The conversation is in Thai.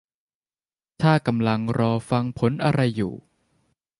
ถ้ากำลังรอฟังผลอะไรอยู่